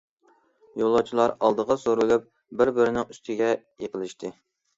يولۇچىلار ئالدىغا سۈرۈلۈپ بىر- بىرىنىڭ ئۈستىگە يىقىلىشتى.